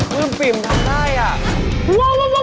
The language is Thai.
พื้นพริมทำได้